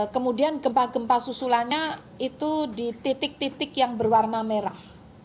kemudian gempa gempa susulannya itu di titik titik yang berwarna merah